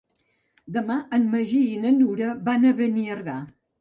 Demà en Magí i na Nura van a Beniardà.